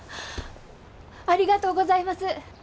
ありがとうございます！